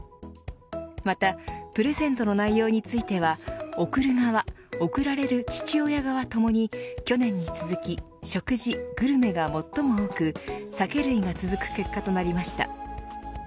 またプレゼントの内容については贈る側、贈られる父親側ともに去年に続き食事グルメが最も多く酒類が続く結果となりました。